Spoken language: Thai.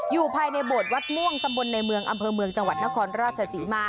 อยู่ภายในโบสถวัดม่วงตำบลในเมืองอำเภอเมืองจังหวัดนครราชศรีมา